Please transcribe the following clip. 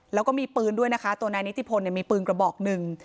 แล้วก็มีปืนด้วยนะคะตัวนายนิติพลมีปืนกระบอกหนึ่ง